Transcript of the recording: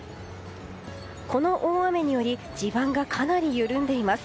この大雨により地盤がかなり緩んでいます。